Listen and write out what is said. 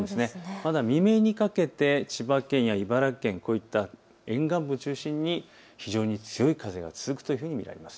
まだ未明にかけて千葉県や茨城県、こういった沿岸部を中心に非常に強い風が続くというふうに見られます。